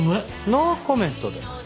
ノーコメントで。